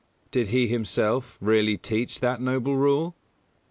_Did he himself really teach that noble rule?